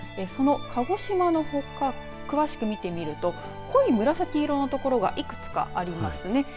その鹿児島のほか詳しく見てみると濃い紫色の所がいくつかありますね。